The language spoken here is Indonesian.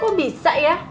kok bisa ya